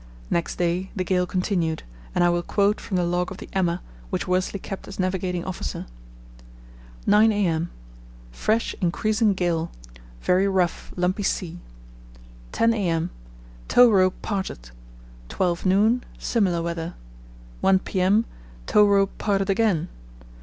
Next day the gale continued, and I will quote from the log of the Emma, which Worsley kept as navigating officer. "9 a.m.—Fresh, increasing gale; very rough, lumpy sea. 10 a.m.—Tow rope parted. 12 noon. Similar weather. 1 p.m.—Tow rope parted again.